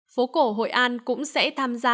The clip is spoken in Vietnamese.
phố cổ hội an cũng sẽ tham gia